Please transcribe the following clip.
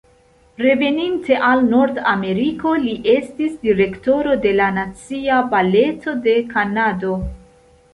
Reveninte al Nordameriko, li estis direktoro de la Nacia Baleto de Kanado.